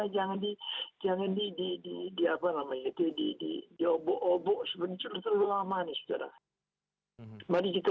mari kita jujur lah